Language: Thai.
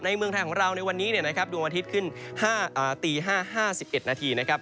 ในเมืองไทยของเราในวันนี้นะครับดวงวันทิศขึ้น๕ตี๕๕๑นนะครับ